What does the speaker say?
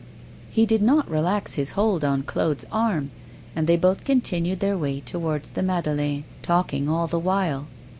He did not relax his hold on Claude's arm, and they both continued their way towards the Madeleine, talking all the while.